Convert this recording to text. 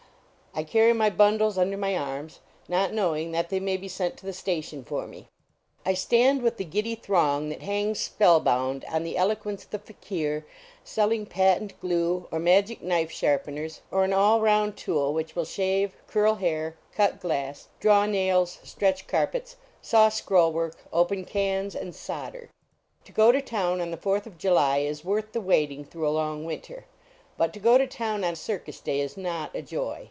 I carry my bundles under my arms, not knowing that they may be sent to the station for me. I stand with the giddy throng that hangs spell bound on the eloquence of the fakir Celling patent glue or magic knife .sharpeners, or an 33 THE VACATION OF MUSTAIMIA all round tool which will shave, curl hair, cut glass, draw nails, stretch carpets, saw scroll work, open cans, and solder. To go to town on the fourth of July is worth the waiting through a long winter. But to go to town on circus day is not a joy.